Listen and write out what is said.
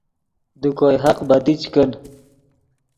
دے کوئے حق بدی چے کن